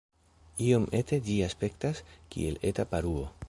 Iom ete ĝi aspektas, kiel eta paruo.